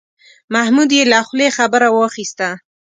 محمود یې له خولې خبره واخیسته.